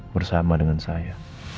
bersama dengan saya